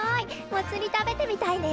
モツ煮食べてみたいね。